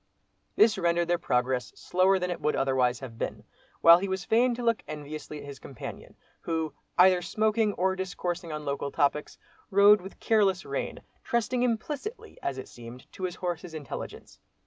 This rendered their progress slower than it would otherwise have been, while he was fain to look enviously at his companion, who, either smoking or discoursing on local topics, rode with careless rein, trusting implicitly, as it seemed, to his horse's intelligence.